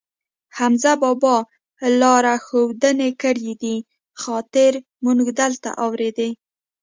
حمزه بابا را له ښودانې کړی دي، خاطر مونږ دلته اورېدی.